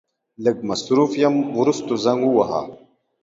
لږ مصرف يم ورسته زنګ وواهه.